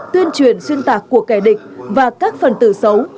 tuyên truyền xuyên tạc của kẻ địch và các phần tử xấu